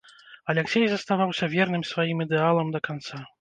Аляксей заставаўся верным сваім ідэалам да канца.